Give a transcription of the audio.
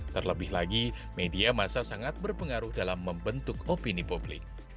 terlebih lagi media masa sangat berpengaruh dalam membentuk opini publik